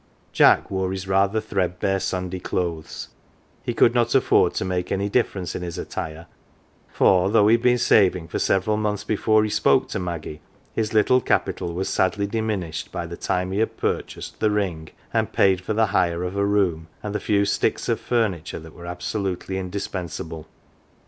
Jack wore his rather threadbare Sunday clothes; he could not afford to make any difference in his attire, for, though he had been saving for several months before he spoke to Maggie, his little capital was sadly dimin ished by the time he had purchased "the ring," and paid for the hire of a room, and the few " sticks " of furniture that were absolutely indispensable.